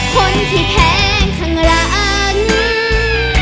คนที่แทงข้างหลัง